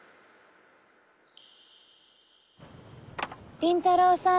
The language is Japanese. ・倫太郎さん・